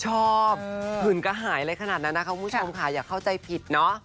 ชอบหื่นกระหายอะไรขนาดนั้นนะคะคุณผู้ชมค่ะอย่าเข้าใจผิดเนอะ